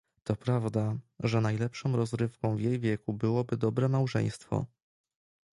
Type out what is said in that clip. "To prawda, że najlepszą rozrywką w jej wieku byłoby dobre małżeństwo."